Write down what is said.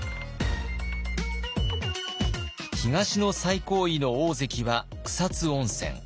東の最高位の大関は草津温泉。